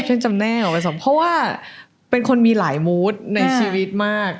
เพราะว่าเป็นคนมีหลายมูดในชีวิตมาก